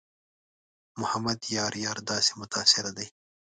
محمد یار یار داسې متاثره دی.